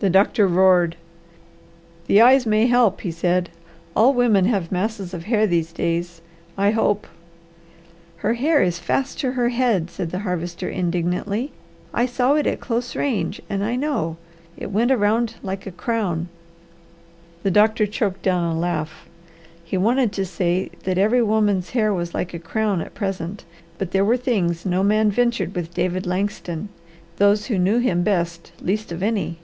The doctor roared. "The eyes may help," he said. "All women have masses of hair these days. I hope " "Her hair is fast to her head," said the Harvester indignantly. "I saw it at close range, and I know. It went around like a crown." The doctor choked down a laugh. He wanted to say that every woman's hair was like a crown at present, but there were things no man ventured with David Langston; those who knew him best, least of any.